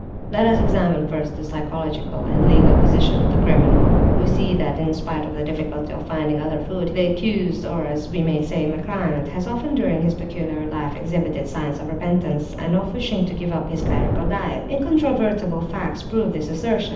"Let us examine first the psychological and legal position of the criminal. We see that in spite of the difficulty of finding other food, the accused, or, as we may say, my client, has often during his peculiar life exhibited signs of repentance, and of wishing to give up this clerical diet. Incontrovertible facts prove this assertion.